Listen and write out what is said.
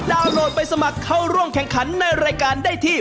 โหลดไปสมัครเข้าร่วมแข่งขันในรายการได้ที่